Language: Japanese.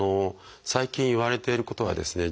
最近いわれていることはですね